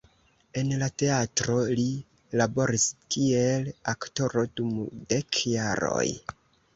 En la teatro li laboris kiel aktoro dum dek jaroj.